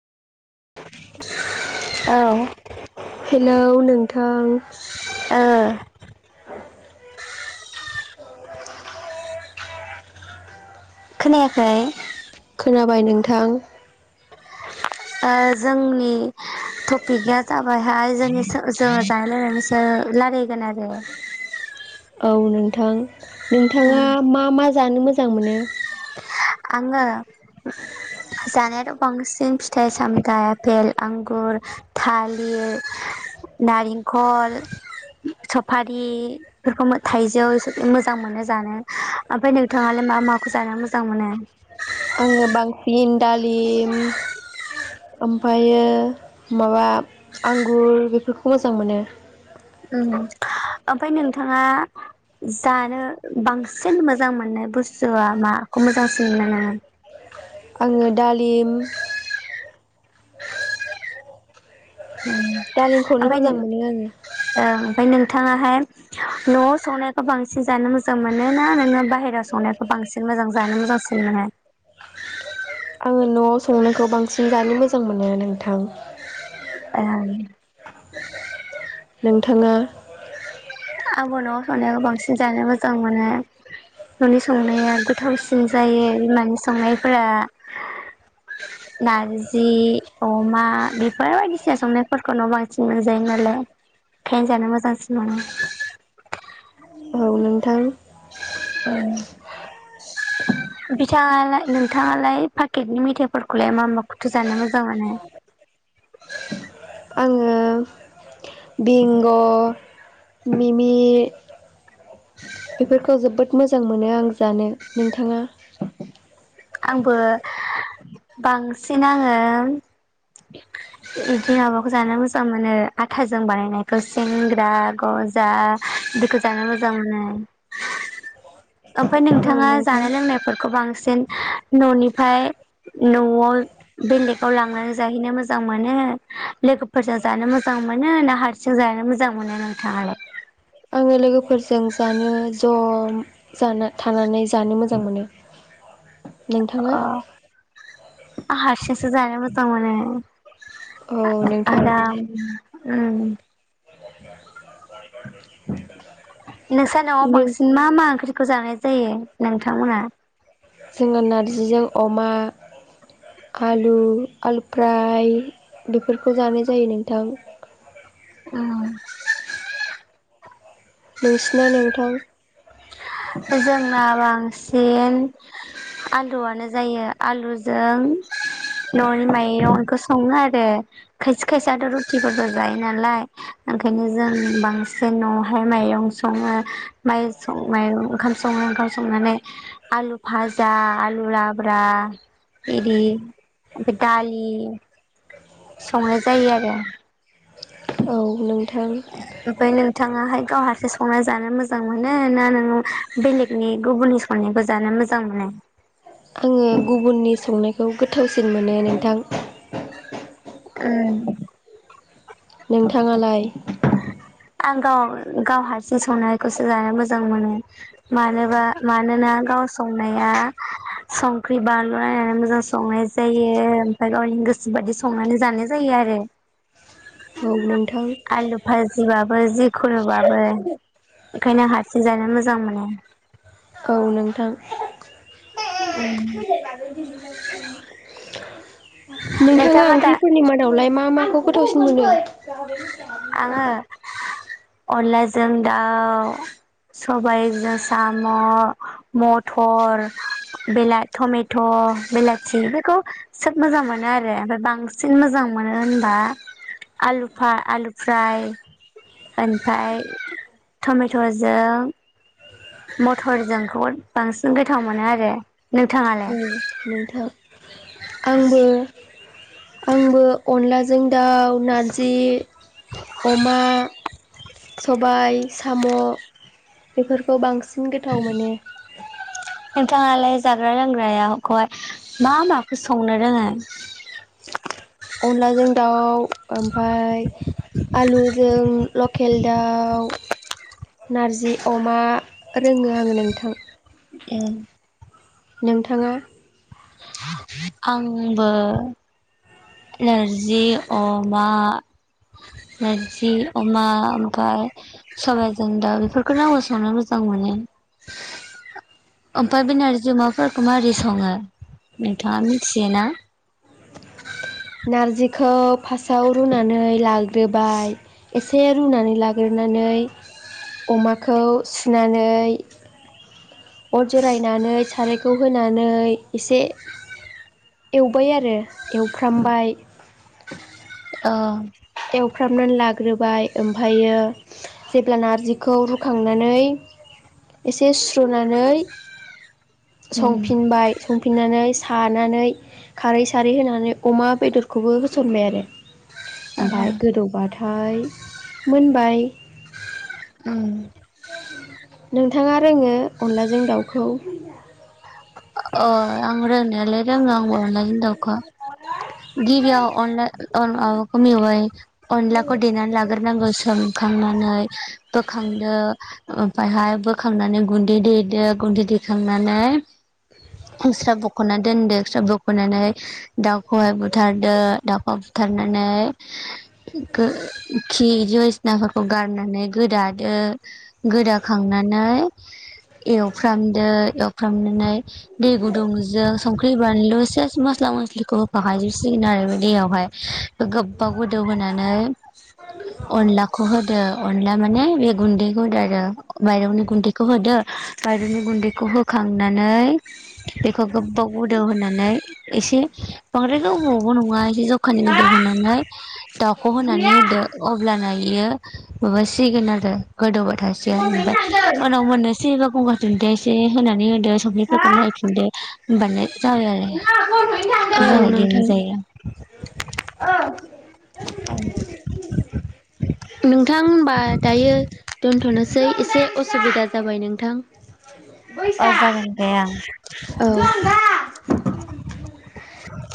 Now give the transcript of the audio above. औ हेलौ नोंथां ओ खोनायाखै? खोनाबाय नोंथां। ओ जोंनि टपिकआ जाबायहाय जोंनि सो जोङो जानाय लोनायनिसो रायलायगोन आरो। औ नोंथां। नोंथाङा मा-मा जानो मोजां मोनो? आङो जानायाथ' बांसिन फिथाइ सामथाइ आपेल आंगुर थालिर नारेंखल सफारिफोरखौ थाइजौ मोजां मोनो जानो, ओमफ्राय नोंथाङालाय मा माखौ जानो मोजां मोनो? [inaudible] आङो बांसिन दालिम ओमफ्रायो माबा आंगुर बेफोरखौ मोजां मोनो। उम ओमफाय नोंथाङा जानो बांसिन मोजां मोननाय बुस्थुआ माखौ मोजांसिन मोनो? आङो दालिम उम दालिमखौनो ओमफाय नों मोजां मोनो आङो ओ ओमफाय नों नोंथाङाहाय न'आव संनायखौ बांसिन जानो मोजां मोनो ना नोङो बाहेरायाव संनायखौ बांसिन मोजां जानो मोजांसिन मोनो आङो न'आव संनायखौ बांसिन जानो मोजां मोनो नोंथां ए नोंथाङा? आंबो न'आव संनायखौ बांसिन जानो मोजां मोनो न'नि संनाया गोथावसिन जायो बिमानि संनायफोरा नारजि अमा बेफोर बायदिसिना संनायफोरखौ न' बांसिन मोनजायो नालाय ओंखायनो जानो मोजांसिन मोनो। औ नोंथां ओ बिथाङाला नोंथाङालाय पाकेटनि मेथायाइफोरखौलाय मा-मा खौथो जानो मोजां मोनो? आङो बिंग' मिमि बेफोरखौ जोबोद मोजां मोनो आं जानो, नोंथाङा? आंबो बांसिन आङो बिदि माबाखौ जानो मोजां मोनो आथाजों बानायनायखौ सेंग्रा गजा बिदिखौ जानो मोजां मोनो, ओमफ्राय नों औ नोंथाङा नोंथां जानाय लोंनायफोरखौ बांसिन न'निफ्राय न'आव बेले लेकआव लांनानै जाहैनो मोजां मोनो लोगोफोरजों जानो मोजां मोनो ना हारसिं जानो मोजां मोनो नोंथाङालाय आङो लोगोफोरजों जानो ज' जानो थानानै जानो मोजां मोनो अ नोंथाङा हारसिंसो जानो मोजां मोनो औ नोंथां आ-आराम उम [inaudible] नोंसा न'आव बांसिन मा-मा ओंख्रि खौ जानाय जायो नोंथांमोना? जोङो नारजिजों अमा, आलु, आलु फ्राय बेफोरखौ जानाय जायो नोंथां। उम [unintelligible] नोंसिना नोंथां? जोंना रां बांसिन आलुआनो जायो आलुजों न'नि माइरंखौ सङो आरो खायसे खायसेथ' रुटिफोरबो जायो नालाय ओंखायनो जों बांसिन न'आवहाय माइरं सङो माइ माइरं ओंखाम सङो ओंखाम संनानै आलु भाजा आलु लाब्रा इदि ओमफ्राय दालि संनाय जायो आरो। नों थां थाङाहाय गावहारसि संना जानो मोजां मोनो ना नोंङो बेलेगनि गुबुननि संनायखौ जानो मोजां मोनो? आङो गुबुननि संनायखौ गोथावसिन मोनो नोंथां। ओम नोंथाङालाय? आं गाव गाव हारसिं संनायखौसो जानो मोजां मोनो मानोबा मानोना गाव संनाया संख्रि बानलु नायनानै मोजां संनाय जायो ओमफाय गावनि गोसो बायि संनानै जानाय जायो आरो। औ नोंथां। बाबो जि खलोबाबो ओंखायनो हारसिं जानो मोजां मोनो। औ नोंथां। नोंथाङा नोंथाङा मा दा ओंख्रिफोरनि मादावलाय मा मा माखौ गोथावसिन मोनो? आङो [unintelligible] अनलाजों दाउ सबाइजों साम' मथर‌ बेला टमेट' बिलाथि बेखौ सोब मोजां मोनो आरो ओमफ्राय बांसिन मोजां मोनो होनबा आलु फा आलु फ्राय ओमफ्राय टमेट'जों मथरजोंखौ बांसिन गोथाव मोनो आरो। औ नोंथाङालाय? नोंथां आंबो आंबो अनलाजों दाउ नारजि अमा सबाय साम' बेफोरखौ बांसिन गोथाव मोनो। नोंथाङालाय जाग्रा लोंग्राया खौहाय मा माखौ संनो रोङो? अनलाजों दाउ ओमफ्राय आलुजों लकेल दाउ नारजि अमा रोङो आङो नोंथां। उम। नोंथाङा? [unintelligible] बो नारजि अमा नारजि अमा ओमफ्राय सबायजों दाउ बेफोरखौनो आबो संनो मोजां मोनो। ओमफ्राय बे नारजि अमाफोरखौ माबोरै सङो नोंथाङा मिथियोना? नारजिखौ फार्स्टआव रुनानै लाग्रोबाय एसे रुनानै लाग्रोनानै अमाखौ सुनानै अर जरायनानै सारायखौ होनानै एसे एवबाय आरो एवफ्रामबाय ओ। एवफ्रामनानै लाग्रोबाय ओमफ्रायो जेब्ला नारजिखौ रुखांनानै एसे सुस्रनानै उम संफिनबाय संफिननानै सानानै खारै सारै होनानै अमा बेदरखौबो होसनबाय आरो। ओमफ्राय गोदौबाथाय मोनबाय। उम नोंथाङा रोङो अनलाजों दाउखौ? अ आं रोंनायालाय रोङो आंबो हिनजावखौ गिबियाव अनला अन माबाखौ मेवाइ अनलाखौ देनानै लाग्रोनांगौ सोमखांनानै बोखांदो ओमफफ्रायहाय बोखांनानै गुन्दै देदो गुन्दै देखांनानै मुस्रा बख'ना दोनदो। स्रा बोख'नानै दाउखौहाय बुथारदो दाउखौ बुथारनानै गोखि दिसिनाफोरखौ गारनानै गोदादो गोदाखांनानै एवफ्रामदो। फ्रामनानै। दै गुदुंजों सं थैबानोल' सेस मस्ला मस्लिखौ होफाखायजोबसिगोन आरो बे दैयावहाय गोबाव गोदौ होनोनानै। अनलाखौह होदो। अनला माने बे गुन्दैखौ होदो आरो। मायरंनि गुन्दैखौ होदो। बरौनि गुन्दैखौ होखांनानै। बेखौ गोबाव गोदौ होनानै। एसे। बांद्राय गोबावबो नङा एसे जखानि गोदौ होनानै दाउखौ होनानै होदो अब्लानो। बियो माबासिगोन आरो। गोदौबाय थासै ओमफ्राय उनाव मोननोसै बा गंगार दुन्दिया एसे। होनानै होदो संखिफो नायफिदो होनबानो। जाबाय आरो जाय नोंथा। होनबा दायो दोन्थ'नोसै एसे असुबिदा जाबाय नोंथां। अ जागोन दे आं औ